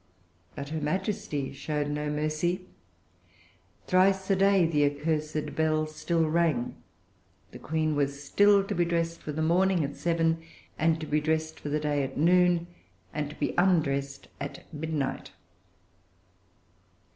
But her Majesty showed no mercy. Thrice a day the accursed bell still rang; the Queen was still to be dressed for the morning at seven, and to be dressed for the day at noon, and to be undressed at midnight.